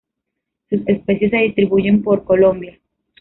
Sus especies se distribuyen por Colombia.